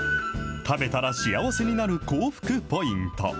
食べたら幸せになる口福ポイント。